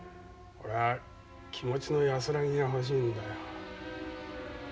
俺は気持ちの安らぎが欲しいんだよ。